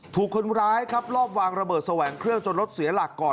ถูกคนร้ายครับรอบวางระเบิดแสวงเครื่องจนรถเสียหลักก่อน